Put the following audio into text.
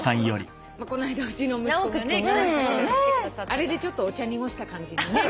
あれでちょっとお茶濁した感じにね。